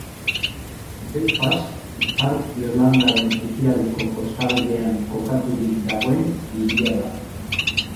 Belfast Ipar Irlandaren ekialdeko kostaldean kokaturik dagoen hiria da.